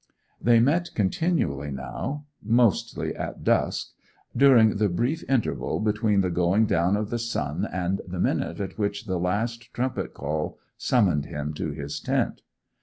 They met continually now—mostly at dusk—during the brief interval between the going down of the sun and the minute at which the last trumpet call summoned him to his tent.